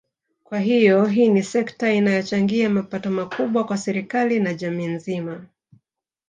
Kwa hiyo hii ni sekta inayochangia mapato makubwa kwa serikali na jamii nzima